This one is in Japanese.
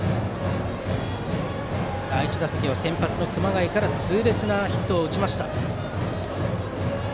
第１打席は先発の熊谷から痛烈なヒットを打ちました。